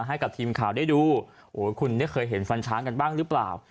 ให้กับทีมข่าวได้ดูโอ้คุณเนี่ยเคยเห็นฟันช้างกันบ้างหรือเปล่า